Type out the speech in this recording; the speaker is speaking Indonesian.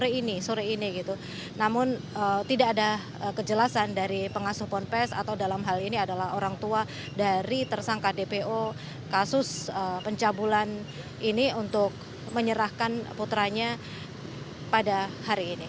ini sore ini gitu namun tidak ada kejelasan dari pengasuh ponpes atau dalam hal ini adalah orang tua dari tersangka dpo kasus pencabulan ini untuk menyerahkan putranya pada hari ini